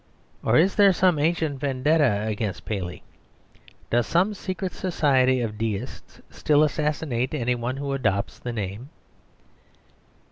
Or is there some ancient vendetta against Paley? Does some secret society of Deists still assassinate any one who adopts the name?